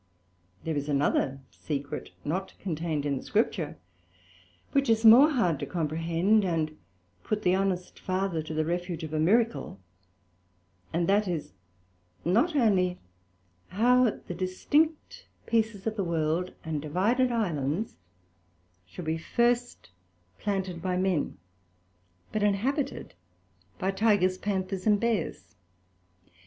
There is another secret not contained in the Scripture, which is more hard to comprehend, and put the honest Father to the refuge of a Miracle: and that is, not only how the distinct pieces of the World, and divided Islands should be first planted by men, but inhabited by Tigers, Panthers, and Bears.